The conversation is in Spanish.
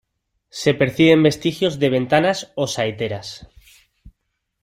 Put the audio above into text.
Se perciben vestigios de ventanas o saeteras.